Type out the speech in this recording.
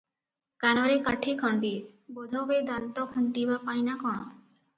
କାନରେ କାଠି ଖଣ୍ଡିଏ- ବୋଧହୁଏ ଦାନ୍ତ ଖୁଣ୍ଟିବା ପାଇଁ ନାଁ କଣ ।